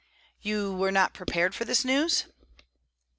"You were not prepared for this news?"